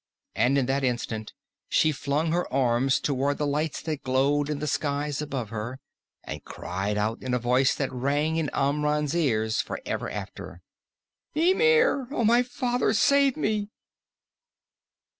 And in that instant she flung her arms toward the lights that glowed in the skies above her and cried out in a voice that rang in Amra's ears for ever after: "_Ymir! Oh, my father, save me!